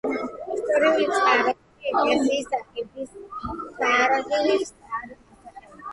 ისტორიული წყაროები ეკლესიის აგების თარიღს არ ასახელებენ.